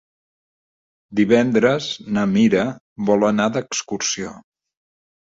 Divendres na Mira vol anar d'excursió.